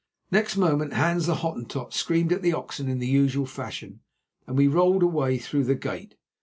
Next moment Hans, the Hottentot, screamed at the oxen in the usual fashion, and we rolled away through the gate.